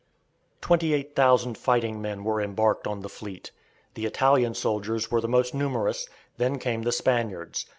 Twenty eight thousand fighting men were embarked on the fleet. The Italian soldiers were the most numerous, then came the Spaniards.